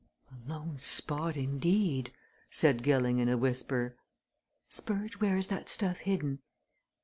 "A lone spot indeed!" said Gilling in a whisper. "Spurge, where is that stuff hidden?"